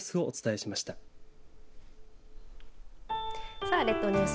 さあ列島ニュース。